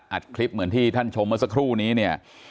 คลิปเหมือนที่ท่านชมเมื่อสักครู่นี้เนี่ย